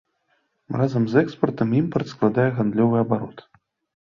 Разам з экспартам імпарт складае гандлёвы абарот.